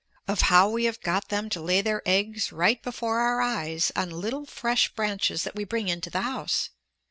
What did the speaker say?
Of how we have got them to lay their eggs right before our eyes on little fresh branches that we bring into the house.